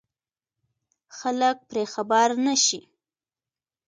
خلک پرې خبر نه شي.